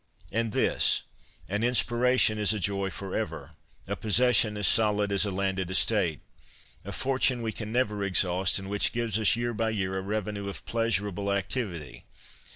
And this :" An inspiration is a joy for ever, a possession as solid as a landed estate, a fortune we 112 CONFESSIONS OF A BOOK LOVER can never exhaust, and which gives us year by year a revenue of pleasurable activity.